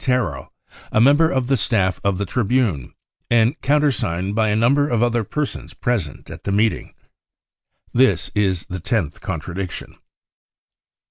Terol, a member of the staff of the Tribune , and countersigned by a number of other persons present at the meeting. f This is the tenth contradiction.